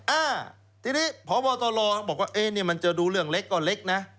อ่าทีนี้พบตรบอกว่าเอ๊ะนี่มันจะดูเรื่องเล็กก็เล็กนะ